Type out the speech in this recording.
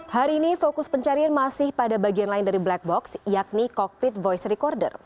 hari ini fokus pencarian masih pada bagian lain dari black box yakni cockpit voice recorder